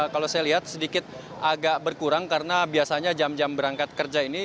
kalau saya lihat sedikit agak berkurang karena biasanya jam jam berangkat kerja ini